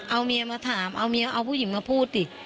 เอาเมียมาถามเอาเมียเอาผู้หญิงมาพูดดิ